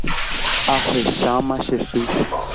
Ahecháma che sy